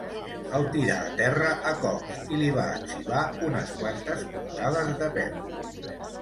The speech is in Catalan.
El tirà a terra a cops i li va etzibar unes quantes puntades de peu.